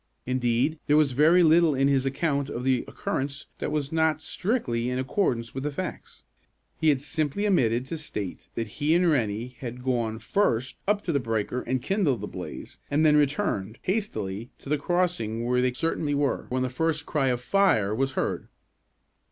Indeed, there was very little in his account of the occurrence that was not strictly in accordance with the facts. He had simply omitted to state that he and Rennie had gone, first, up to the breaker and kindled the blaze, and then returned, hastily, to the crossing where they certainly were when the first cry of "Fire!" was heard.